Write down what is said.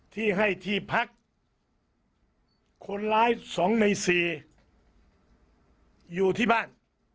ที่ให้ที่พักคนร้าย๒ใน๔อยู่ที่บ้าน